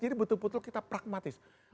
jadi betul betul kita pragmatis